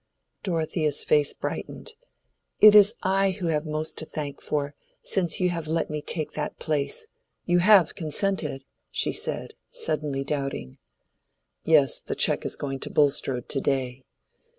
Dorothea's face brightened. "It is I who have most to thank for, since you have let me take that place. You have consented?" she said, suddenly doubting. "Yes, the check is going to Bulstrode to day."